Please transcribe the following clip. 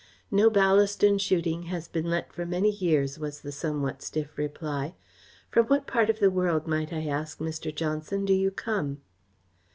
"No Ballaston shooting has been let for many years," was the somewhat stiff reply. "From what part of the world, might I ask, Mr. Johnson, do you come?"